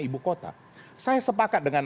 ibu kota saya sepakat dengan